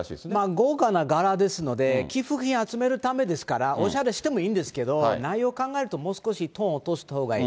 豪華な柄ですので、寄付金集めるためですからおしゃれしてもいいんですけど、内容考えると、もう少し、トーンを落としたほうがいい。